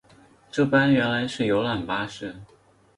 这班原来是游览巴士